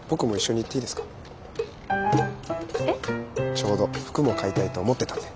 ちょうど服も買いたいと思ってたんで。